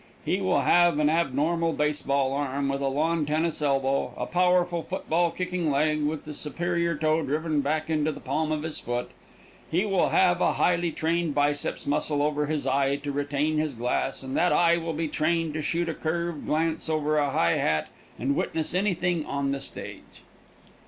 He will have an abnormal base ball arm with a lawn tennis elbow, a powerful foot ball kicking leg with the superior toe driven back into the palm of his foot. He will have a highly trained biceps muscle over his eye to retain his glass, and that eye will be trained to shoot a curved glance over a high hat and witness anything on the stage.